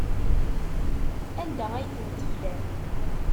Anda ay ten-teflam?